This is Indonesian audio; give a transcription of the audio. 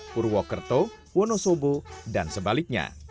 purwokerto wonosobo dan sebaliknya